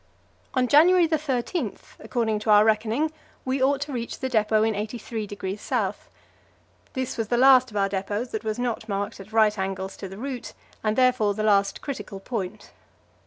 On January 13, according to our reckoning, we ought to reach the depot in 83° S. This was the last of our depots that was not marked at right angles to the route, and therefore the last critical point.